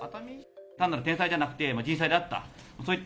単なる天災じゃなくて人災だった。